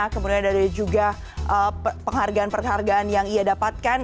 kemudian ada juga penghargaan penghargaan yang ia dapatkan